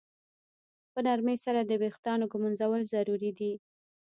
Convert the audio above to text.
په نرمۍ سره د ویښتانو ږمنځول ضروري دي.